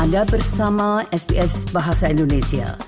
anda bersama sps bahasa indonesia